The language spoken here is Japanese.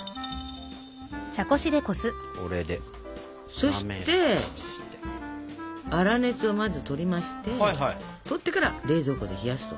そして粗熱をまずとりましてとってから冷蔵庫で冷やすと。